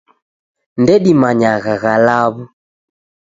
Ndedimanyagha gha law'u.